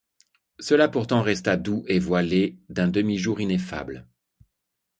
Cela pourtant resta doux et voilé d’un demi-jour ineffable.